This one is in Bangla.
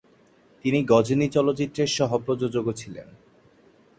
তিনি গজনী চলচ্চিত্রের সহ-প্রযোজকও ছিলেন।